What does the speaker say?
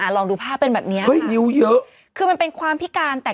ลองดูภาพเป็นแบบเนี้ยเฮ้ยนิ้วเยอะคือมันเป็นความพิการแต่